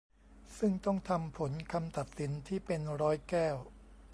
ซึ่งต้องทำผลคำตัดสินที่เป็นร้อยแก้ว